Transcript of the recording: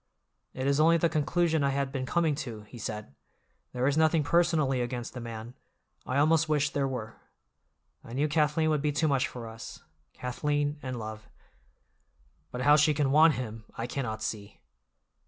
"It is only the conclusion I had been coming to," he said. "There is nothing personally against the man; I almost wish there were. I knew Kathleen would be too much for us—Kathleen and love. But how she can want him, I cannot see."